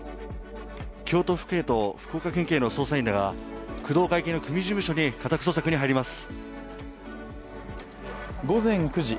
京都府警と福岡県警の捜査員らが工藤会系の組事務所に家宅捜索に入ります。